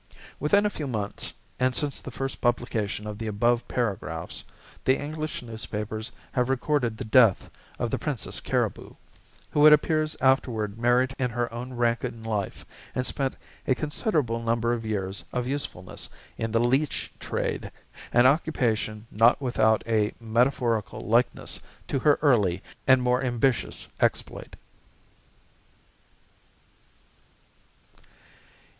Within a few months, and since the first publication of the above paragraphs, the English newspapers have recorded the death of the "Princess Cariboo," who it appears afterward married in her own rank in life and spent a considerable number of years of usefulness in the leech trade an occupation not without a metaphorical likeness to her early and more ambitious exploit.